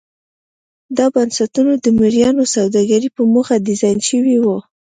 دا بنسټونه د مریانو سوداګرۍ په موخه ډیزاین شوي وو.